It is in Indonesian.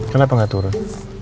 kenapa nggak turun